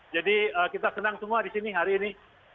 jadi kita senang semua di sini hari ini